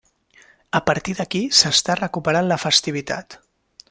A partir d'aquí s'està recuperant la festivitat.